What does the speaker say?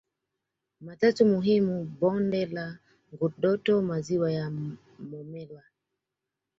matatu muhimu bonde la Ngurdoto maziwa ya Momella